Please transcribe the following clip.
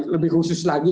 lebih khusus lagi